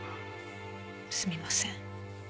すみません。